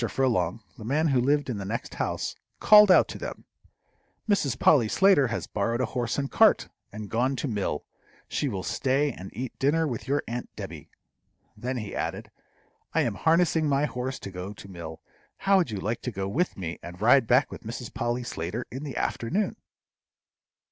Furlong, the man who lived in the next house, called out to them, "Mrs. Polly Slater has borrowed a horse and cart, and gone to mill; she will stay and eat dinner with your aunt Debby." Then he added, "I am harnessing my horse to go to mill; how would you like to go with me, and ride back with Mrs. Polly Slater in the afternoon?"